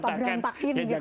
tetap berantakin gitu